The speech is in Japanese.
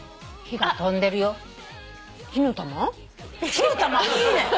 火の玉いいね。